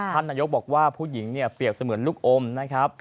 ท่านนายกบอกว่าผู้หญิงเนี่ยเปรียบเสมือนลูกอมนะครับ